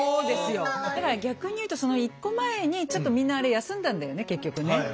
だから逆に言うとその一個前にちょっとみんなあれ休んだんだよね結局ね。